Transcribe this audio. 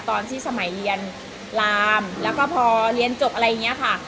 สมัยเรียนลามแล้วก็พอเรียนจบอะไรอย่างนี้ค่ะ